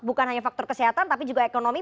bukan hanya faktor kesehatan tapi juga ekonomi